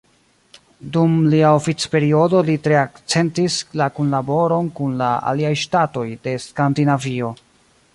Dum lia oficperiodo li tre akcentis la kunlaboron kun la aliaj ŝtatoj de Skandinavio.